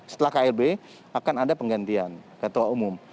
setelah klb akan ada penggantian ketua umum